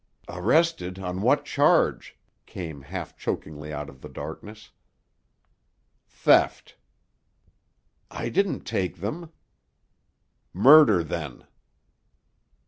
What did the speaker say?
"Arrested on what charge?" came half chokingly out of the darkness. "Theft." "I didn't take them." "Murder, then."